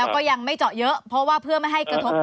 ก็ยังไม่เจาะเยอะเพราะว่าเพื่อไม่ให้กระทบ